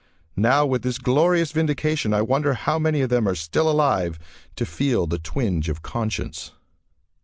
Now with this glorious vindication, I wonder how many of them are still alive to feel the twinge of conscience....